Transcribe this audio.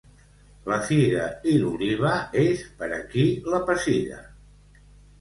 La figa i l'oliva és per a qui la pessiga.